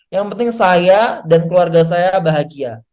yang penting saya dan keluarga saya bahagia